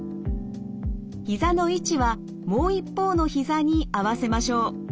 ひざの位置はもう一方のひざに合わせましょう。